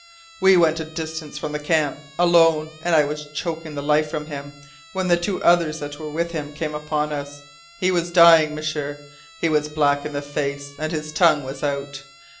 We went a distance from the camp alone and I was choking the life from him, when the two others that were with him came upon us. He was dying, M'sieur! He was black in the face, and his tongue was out.